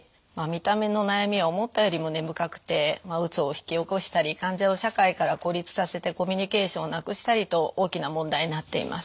見た目の悩みは思ったよりも根深くてうつを引き起こしたり患者を社会から孤立させてコミュニケーションをなくしたりと大きな問題になっています。